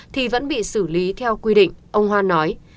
thì vẫn bị xử lý theo quy định ông hoan nói